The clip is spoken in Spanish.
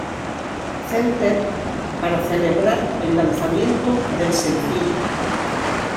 Center para celebrar el lanzamiento del sencillo.